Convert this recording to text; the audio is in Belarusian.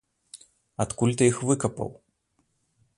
Адкуль ты іх выкапаў?